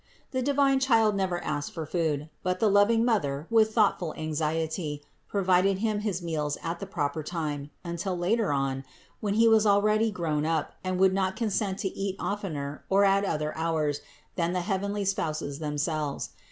The divine Child never asked for food ; but the loving Mother with thought ful anxiety provided Him his meals at the proper time until later on, when He was already grown up and would not consent to eat oftener or at other hours than the heavenly Spouses themselves.